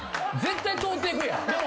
絶対通っていくやん。